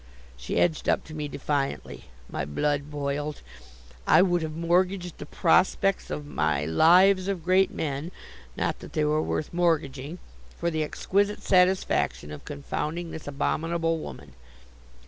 She edged up to me defiantly. My blood boiled. I would have mortgaged the prospects of my Lives of Great Men (not that they were worth mortgaging) for the exquisite satisfaction of confounding this abominable woman.